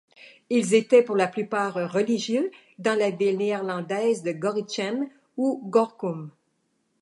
Ils étaient pour la plupart religieux dans la ville néerlandaise de Gorinchem, ou Gorcum.